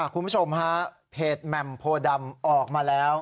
คุณผู้ชมฮะเพจแหม่มโพดำออกมาแล้ว